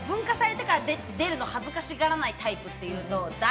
あと文化祭とか出るの恥ずかしがらないタイプっていうと誰？